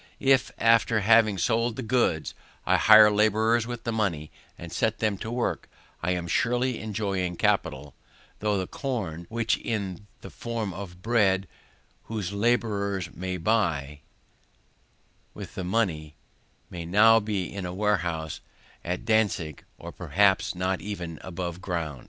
If, after having sold the goods, I hire labourers with the money, and set them to work, I am surely employing capital, though the corn, which in the form of bread those labourers may buy with the money, may be now in warehouse at Dantzic, or perhaps not yet above ground.